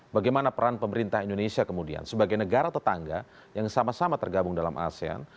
bagaimana peran pemerintah indonesia kemudian sebagai negara tetangga yang sama sama tergabung dalam asean